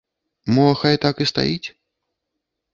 Мо хай так і стаіць?